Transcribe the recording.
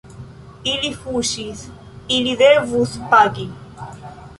Ili fuŝis, ili devus pagi.